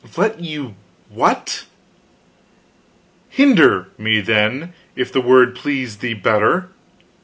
"Let you what?" "Hinder me, then, if the word please thee better.